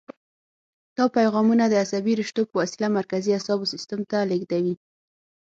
دا پیغامونه د عصبي رشتو په وسیله مرکزي اعصابو سیستم ته لېږدوي.